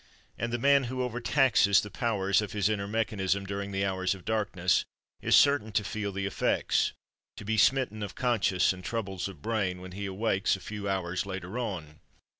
And the man who overtaxes the powers of his inner mechanism during the hours of darkness is certain to feel the effects, to be smitten of conscience, and troubled of brain, when he awakes, a few hours later on.